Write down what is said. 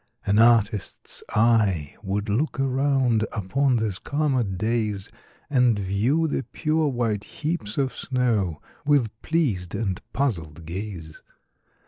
An artist's eye would look around, Upon these calmer days, And view the pure white heaps of snow, With pleas'd and puzzl'd gaze.